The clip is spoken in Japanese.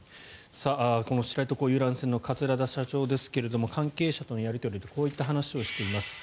この知床遊覧船の桂田社長ですが関係者とのやりとりでこのような話をしています。